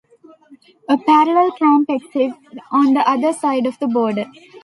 A parallel camp exists on the other side of the border.